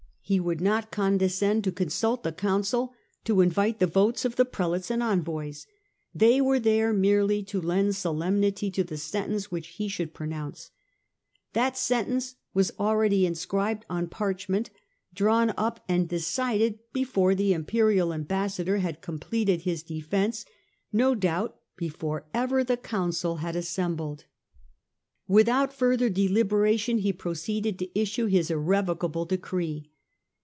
He would not condescend to consult the Council, to invite the votes of the Prelates and envoys. They were there merely to lend solemnity to the sentence which he should pronounce. That sentence was already inscribed on parchment, drawn up and decided before the Im perial ambassador had completed his defence, no doubt before ever the Council had assembled. Without THE COUNCIL OF LYONS 235 further deliberation he proceeded to issue his irrevocable decree.